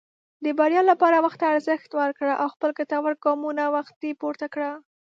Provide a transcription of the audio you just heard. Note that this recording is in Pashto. د بریا لپاره وخت ته ارزښت ورکړه، او خپل ګټور ګامونه وختي پورته کړه.